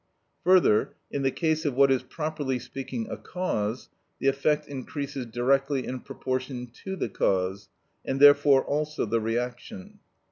Further, in the case of what is properly speaking a cause, the effect increases directly in proportion to the cause, and therefore also the reaction.